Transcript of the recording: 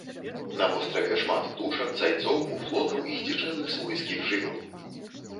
На востраве шмат птушак, зайцоў, муфлонаў і здзічэлых свойскіх жывёл.